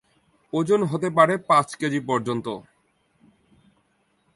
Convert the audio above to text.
ওজন হতে পারে পাঁচ কেজি পর্যন্ত।